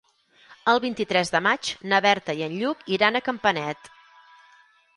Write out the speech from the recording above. El vint-i-tres de maig na Berta i en Lluc iran a Campanet.